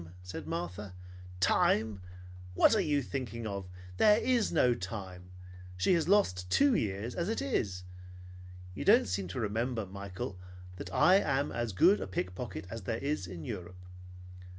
said Martha. "Time! What are you thinking of? There is no time! She has lost two years, as it is. You don't seem to remember, Michael, that I am as good a pickpocket as there is in Europe.